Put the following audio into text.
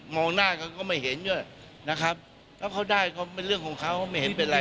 หน้าเขาก็ไม่เห็นด้วยนะครับแล้วเขาได้ก็เป็นเรื่องของเขาไม่เห็นเป็นไร